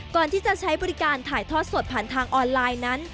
ก่อนที่จะใช้บริการถ่ายทอดสดผ่านทางออนไลน์นั้น